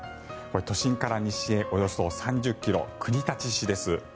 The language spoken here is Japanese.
これは都心から西へおよそ３０ｋｍ、国立市です。